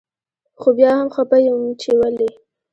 خو بيا هم خپه يم چي ولي